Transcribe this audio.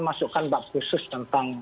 masukkan bab khusus tentang